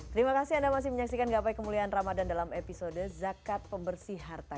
terima kasih anda masih menyaksikan gapai kemuliaan ramadan dalam episode zakat pembersih harta